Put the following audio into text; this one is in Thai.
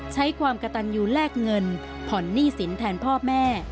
ใช้ความกระตันยูแลกเงินผ่อนหนี้สินแทนพ่อแม่